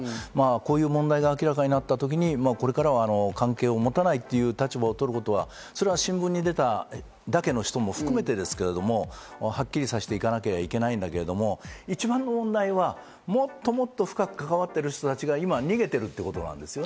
こういう問題が明らかになった時に、これからは関係を持たないという立場を取ることは、新聞に出ただけの人も含めてですけれども、はっきりさせていかなければいけないんだけれども、一番の問題はもっともっと深く関わっている人たちが今逃げているということなんです。